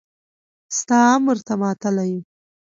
ستا امر ته ماتله يو.